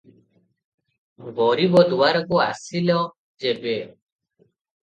ଗରିବ ଦୁଆରକୁ ଆସିଲ ଯେବେ ।